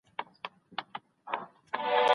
ور سره سم ستا غمونه نا بللي مېلمانه سي